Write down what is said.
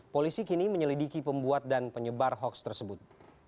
polisi kini menyelidiki pembuat dan penyebar hoax tersebut